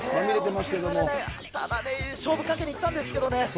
ただね、勝負かけにいったんですけどね。